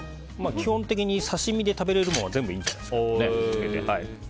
基本的に刺し身で食べられるものは全部いいんじゃないですか。